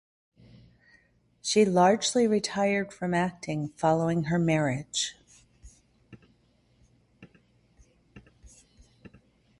She largely retired from acting following her marriage.